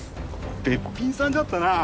べっぴんさんじゃったなぁ。